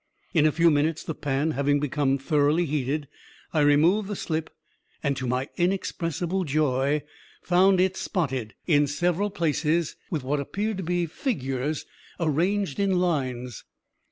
In a few minutes, the pan having become thoroughly heated, I removed the slip, and, to my inexpressible joy, found it spotted, in several places, with what appeared to be figures arranged in lines.